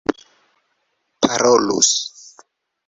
parolus